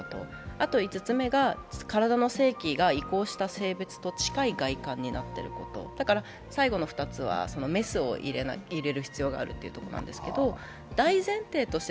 あと５つ目が体の性器が移行した外観と近いことになっていること、だから最後の２つはメスを入れる必要があるということなんですけど、大前提として、